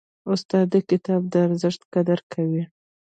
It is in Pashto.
استاد د کتاب د ارزښت قدر کوي.